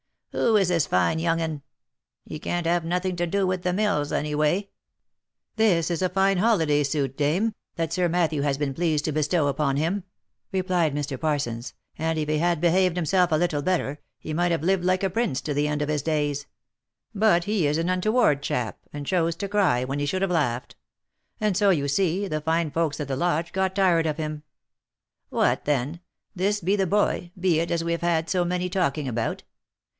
Who is this fine young'un? He can't have nothing to do with the mills, any way." 178 THE LIFE AND ADVENTURES " This a fine holiday suit, dame, that Sir Matthew has been pleased to bestow upon him," replied Mr. Parsons, "and if he had behaved himself a little better, he might have lived like a prince to the end of his days ; but he is an untoward chap, and chose to cry, when he should have laughed. And so, you see, the fine folks at the lodge got tired of him.' " What then! — This be the boy, be it, as we have had so many talking about